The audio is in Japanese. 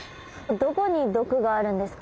どこに毒があるんですか？